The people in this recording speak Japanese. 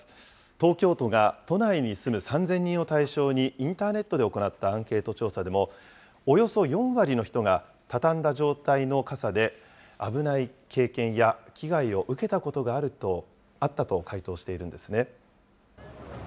東京都が都内に住む３０００人を対象に、インターネットで行ったアンケート調査でも、およそ４割の人が、畳んだ状態の傘で危ない経験や危害を受けたことがあったと回答しているんですね。